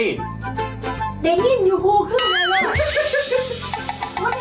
ในนี่มันยูฮูขึ้นมาแล้ว